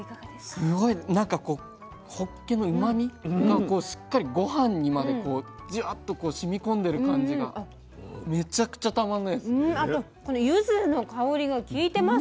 すごいなんかこうほっけのうまみがこうしっかりごはんにまでジワッとこうしみ込んでる感じがめちゃくちゃたまんないです。